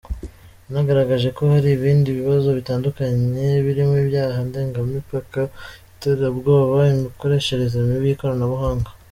Yanagaragaje ko hari ibindi bibazo bitandukanye birimo ibyaha ndengamipaka, iterabwoba, imikoreshereze mibi y’ikoranabuhanga.